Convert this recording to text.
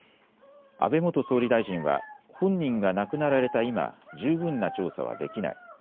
安倍元総理大臣は本人が亡くなられた今、十分な調査はできない。